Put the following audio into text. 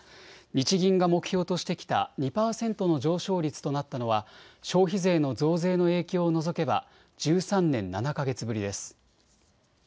日銀が目標としてきた２％の上昇率となったのは消費税の増税の影響を除けば１３年７か月ぶりです。